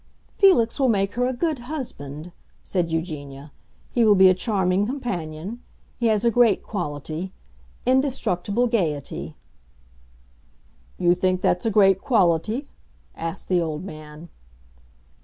"Felix will make her a good husband," said Eugenia. "He will be a charming companion; he has a great quality—indestructible gaiety." "You think that's a great quality?" asked the old man.